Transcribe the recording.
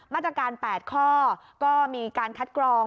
มาตรการ๘ข้อก็มีการคัดกรอง